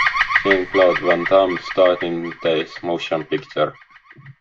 Jean-Claude Van Damme starred in this motion picture.